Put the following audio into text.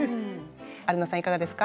アルノさんいかがですか？